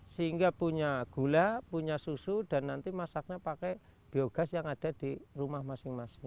sehingga punya gula punya susu dan nanti masaknya pakai biogas yang ada di rumah masing masing